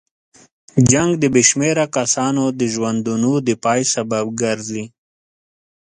جنګ د بې شمېره کسانو د ژوندونو د پای سبب ګرځي.